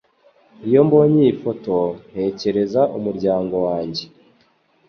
Iyo mbonye iyi foto, ntekereza umuryango wanjye